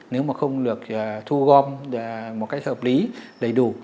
nếu mà không được thu gom một cách hợp lý đầy đủ